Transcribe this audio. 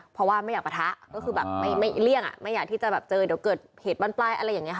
เพราะว่าไม่อยากปะทะก็คือแบบไม่เลี่ยงไม่อยากที่จะแบบเจอเดี๋ยวเกิดเหตุบ้านปลายอะไรอย่างนี้ค่ะ